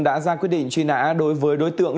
đã ra quyết định truy nã đối với đối tượng